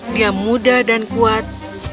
dia muda dan kuat